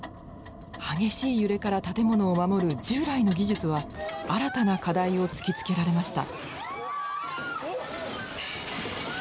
激しい揺れから建物を守る従来の技術は新たな課題を突きつけられました。